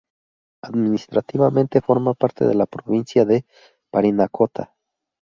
Administrativamente, forma parte de la Provincia de Parinacota.